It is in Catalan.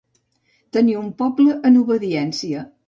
Tenir un poble en obediència.